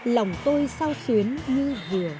lòng tôi sao xuyến như vừa